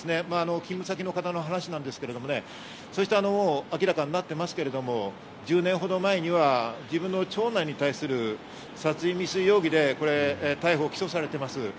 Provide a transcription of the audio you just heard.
勤務先の方の話したんですけど、明らかになってますけど、１０年ほど前には自分の長男に対する殺人未遂容疑で逮捕・起訴されています。